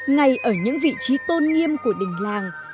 ngay ở những vị trí tôn nghiêm của đình làng